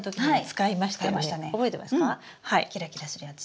キラキラするやつ。